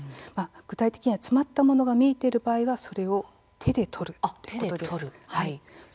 具体的には詰まったものが見えている場合はそれを手で取るということです。